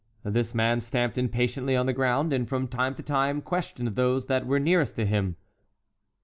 This man stamped impatiently on the ground, and from time to time questioned those that were nearest to him.